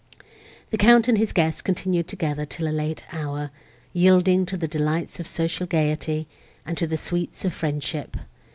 The Count and his guests continued together till a late hour, yielding to the delights of social gaiety, and to the sweets of friendship.